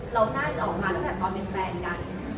เราน่าจะออกมาตั้งแต่ตอนเป็นแฟนกัน